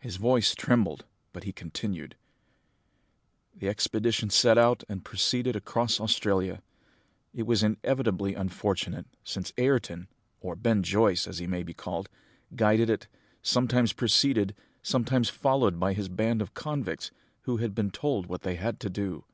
His voice trembled, but he continued, "The expedition set out and proceeded across Australia. It was inevitably unfortunate, since Ayrton, or Ben Joyce, as he may be called, guided it, sometimes preceded, sometimes followed by his band of convicts, who had been told what they had to do.